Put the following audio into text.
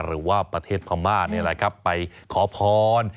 หรือว่าประเทศพรรมาศไปขอพร